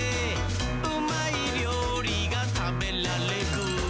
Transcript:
「うまいりょうりがたべらレグ！」